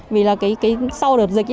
vì là cái sau đợt dịch